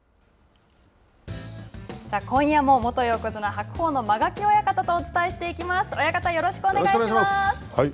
さあ、今夜も元横綱・白鵬の間垣親方とお伝えしていきます。